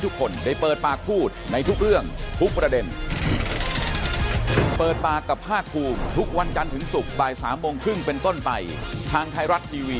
ที่ท่องฝ่าพฤติศาสตร์